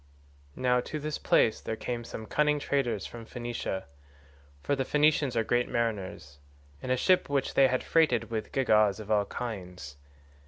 "Now to this place there came some cunning traders from Phoenicia (for the Phoenicians are great mariners) in a ship which they had freighted with gewgaws of all kinds.